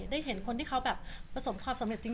ได้เห็นคนที่เขาแบบประสบความสำเร็จจริง